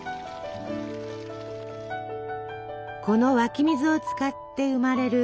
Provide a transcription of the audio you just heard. この湧き水を使って生まれる